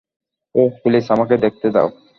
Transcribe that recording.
ওহ, please, আমাকে দেখতে দাও।